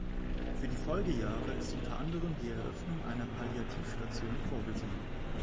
Für die Folgejahre ist unter anderem die Eröffnung einer Palliativstation vorgesehen.